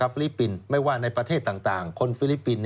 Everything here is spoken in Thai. ลิปปินส์ไม่ว่าในประเทศต่างคนฟิลิปปินส์